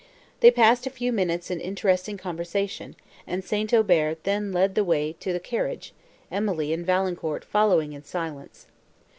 They passed a few minutes in interesting conversation, and St. Aubert then led the way to the carriage, Emily and Valancourt following in silence.